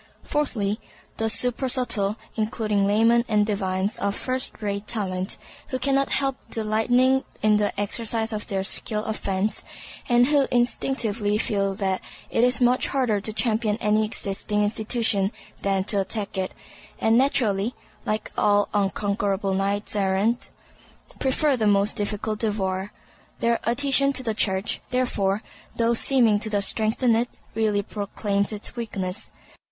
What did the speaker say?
Fourthly, the supersubtle, including laymen and divines of first rate talent; who cannot help delighting in the exercise of their skill of fence, and who instinctively feel that it is much harder to champion any existing institution than to attack it, and naturally (like all unconquerable knights errant) prefer the most difficult devoir. Their adhesion to the Church, therefore, though seeming to strengthen it, really proclaims its weakness.